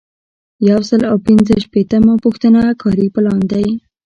یو سل او پنځه شپیتمه پوښتنه کاري پلان دی.